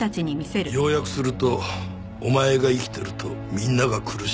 要約すると「お前が生きてるとみんなが苦しむぞ」